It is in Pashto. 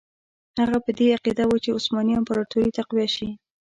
هغه په دې عقیده وو چې عثماني امپراطوري تقویه شي.